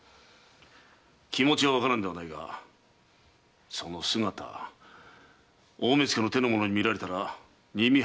気持ちはわからぬではないがその姿大目付の手の者に見られたら新見藩は取りつぶしだぞ。